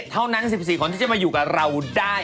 เท่านั้น๑๔คนที่จะมาอยู่กับเราได้